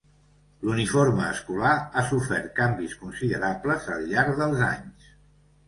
L'uniforme escolar ha sofert canvis considerables al llarg dels anys.